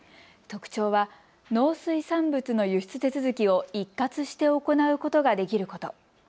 特徴は農水産物の輸出手続きを一括して行うことができること。